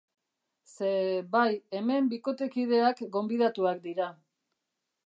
Ze, bai, hemen bikotekideak gonbidatuak dira.